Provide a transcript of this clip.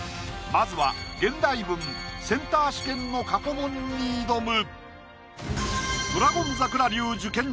まずは現代文センター試験の過去問に挑む！